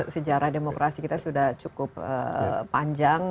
sejarah demokrasi kita sudah cukup panjang